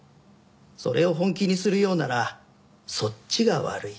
それを本気にするようならそっちが悪い。